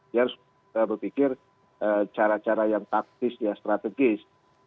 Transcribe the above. dia harus berpikir cara cara yang taktis ya strategis